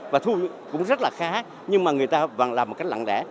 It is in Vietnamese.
và thu cũng rất là khá nhưng mà người ta vẫn làm một cách lặng lẽ